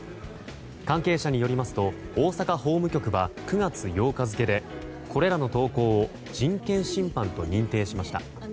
関係者によりますと大阪法務局は９月８日付でこれらの投稿を人権侵犯と認定しました。